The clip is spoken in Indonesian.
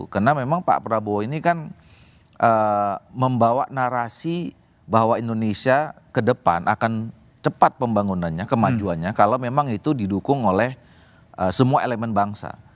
karena memang pak prabowo ini kan membawa narasi bahwa indonesia kedepan akan cepat pembangunannya kemajuannya kalau memang itu didukung oleh semua elemen bangsa